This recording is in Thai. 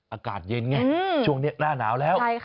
อากาศเย็นไงช่วงนี้หน้าหนาวแล้ว